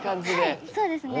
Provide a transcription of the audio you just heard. はいそうですね。